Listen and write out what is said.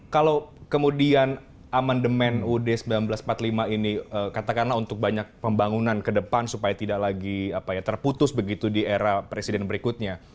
kalau kemudian amandemen ud seribu sembilan ratus empat puluh lima ini katakanlah untuk banyak pembangunan ke depan supaya tidak lagi terputus begitu di era presiden berikutnya